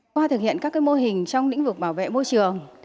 qua thực hiện các mô hình trong lĩnh vực bảo vệ môi trường